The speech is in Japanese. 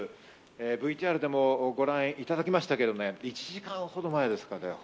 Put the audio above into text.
ＶＴＲでもご覧いただきましたけれど１時間ほど前ですかね。